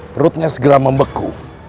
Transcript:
perutnya segera membeku